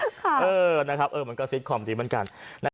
เออนะครับมันก็ซิตคอมดีเหมือนกัน